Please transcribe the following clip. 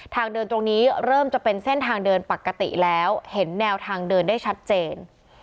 ทางเดินตรงนี้เริ่มจะเป็นเส้นทางเดินปกติแล้วเห็นแนวทางเดินได้ชัดเจน